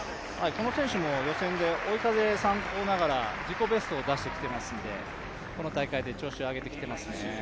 この選手も予選で追い風参考ながら自己ベストを出してきていますのでこの大会で調子を上げてきていますね。